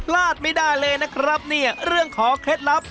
ลาดไม่ได้เลยนะครับเนี่ยเรื่องขอเคล็ดลับ